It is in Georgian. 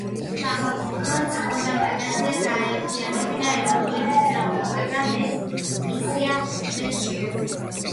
სახალხო ფრონტს ჰქონდა პრეტენზია გაეერთიანებინა ეროვნული მოძრაობა, მაგრამ ეს მისია ვერ შეასრულა.